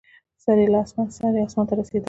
سر یې اسمان ته رسېدلی.